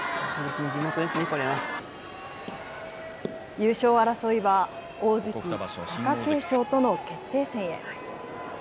優勝争いは、大関・貴景勝との決定戦へ。